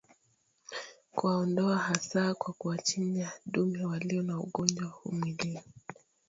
Kuwaondoa hasa kwa kuwachinja dume walio na ugonjwa huu mwilini